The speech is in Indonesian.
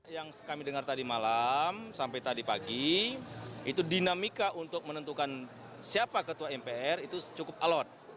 yang kami dengar tadi malam sampai tadi pagi itu dinamika untuk menentukan siapa ketua mpr itu cukup alot